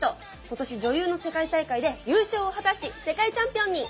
今年女流の世界大会で優勝を果たし世界チャンピオンに！